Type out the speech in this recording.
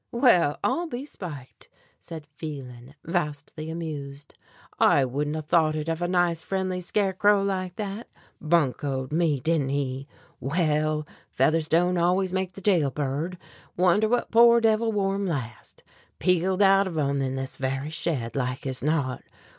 "Well, I'll be spiked!" said Phelan, vastly amused. "I wouldn't 'a' thought it of a nice, friendly scarecrow like that! Buncoed me, didn't he? Well, feathers don't always make the jail bird. Wonder what poor devil wore 'em last? Peeled out of 'em in this very shed, like as not.